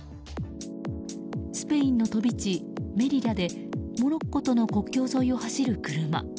スペインの飛び地メリリャでモロッコとの国境沿いを走る車。